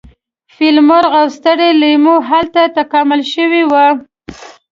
فیل مرغ او ستر لیمور هلته تکامل شوي وو.